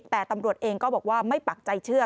แต่ตำรวจเองก็บอกว่าไม่ปักใจเชื่อ